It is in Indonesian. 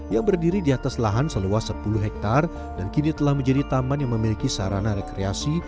yang berdiri di atas lahan seluas sepuluh hektare dan kini telah menjadi taman yang memiliki sarana rekreasi